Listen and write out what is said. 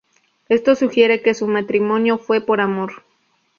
Esto sugiere que su matrimonio fue por amor.